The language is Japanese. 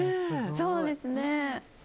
そうですね。